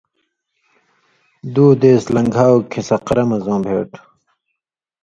دُو دیس لن٘گھاؤ کھیں سقرہ مہ زؤں بھیٹ